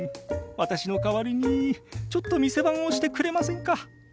私の代わりにちょっと店番をしてくれませんか？